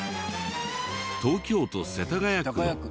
東京都世田谷区。